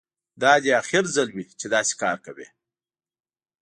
دا دې اخر ځل وي چې داسې کار کوې